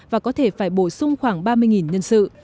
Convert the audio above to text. và có thể phải bổ sung khoảng ba mươi nhân sự